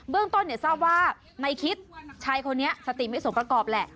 เรื่องต้นทราบว่าในคิดชายคนนี้สติไม่สมประกอบแหละ